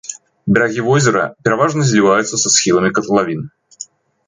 Берагі возера пераважна зліваюцца са схіламі катлавіны.